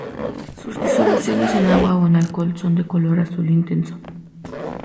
Sus disoluciones en agua o en alcohol son de color azul intenso.